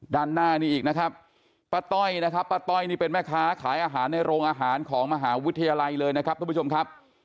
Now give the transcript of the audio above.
ด้านหน้านี้อีกนะครับป้าต้อยนะครับป้าต้อยนี่เป็นแม่ค้าขายอาหารในโรงอาหารของมหาวิทยาลัยเลยนะครับทุกผู้ชมครับ